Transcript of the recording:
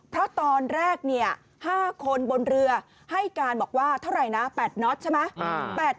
เพราะตอนแรก๕คนบนเรือให้การบอกว่าเท่าไหร่นะ๘น็อตใช่ไหม